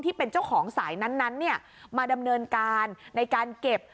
ที่เป็นเจ้าของสายนั้นมาดำเนินการในการเก็บ